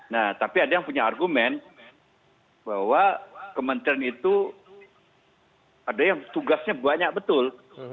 nah tapi ada yang punya argumen bahwa kementerian itu ada yang tugasnya banyak betul